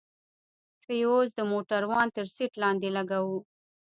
فيوز د موټروان تر سيټ لاندې لگوو.